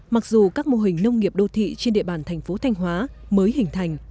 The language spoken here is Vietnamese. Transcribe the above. mặc dù các mô hình nông nghiệp đô thị trên địa bàn thành phố thanh hóa mới hình thành